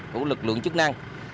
của lực lượng chức năng